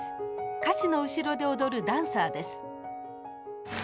歌手の後ろで踊るダンサーです。